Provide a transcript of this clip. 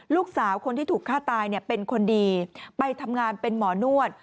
ลูกสาวคนที่ถูกฆ่าตายเป็นคนดีไปทำงานเป็นหมอนวด